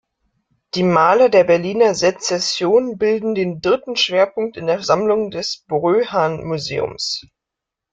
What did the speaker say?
Die Maler der Berliner Secession bilden den dritten Schwerpunkt in der Sammlung des Bröhan-Museums.